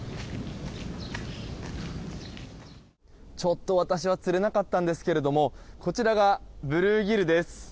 ちょっと私は釣れなかったんですけれどもこちらがブルーギルです。